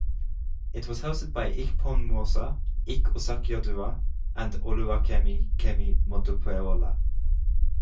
It was hosted by Ikponmwosa "Ik" Osakioduwa and Oluwakemi "Kemi" Modupeola.